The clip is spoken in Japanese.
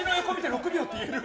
６秒って言える？